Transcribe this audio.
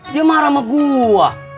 dia marah sama gua